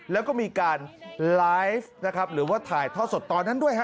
แล้วก็มีการไลฟ์นะครับหรือว่าถ่ายท่อสดตอนนั้นด้วยฮะ